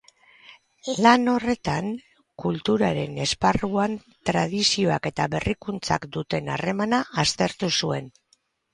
Lan horretan, kulturaren esparruan tradizioak eta berrikuntzak duten harremana aztertu zuen.